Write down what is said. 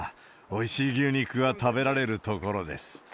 おいしい牛肉が食べられる所です。